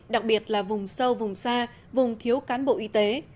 đặc biệt là vùng sâu vùng xa vùng thiếu cán bộ y tế